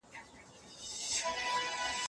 اجناس په فابریکو کي تولیدیږي.